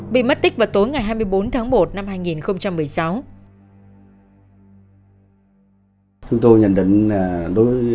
bị mất tích vào tối ngày hai mươi bốn tháng một năm hai nghìn một mươi sáu